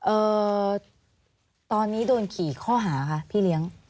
เอ่อตอนนี้โดนกี่ข้อหาคะพี่เลี้ยง